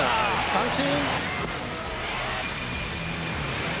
三振！